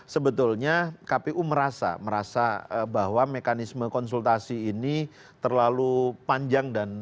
sebetulnya kpu merasa bahwa mekanisme konsultasi ini terlalu panjang dan